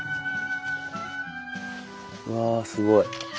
うわすごい。